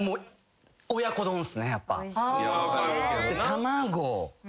卵。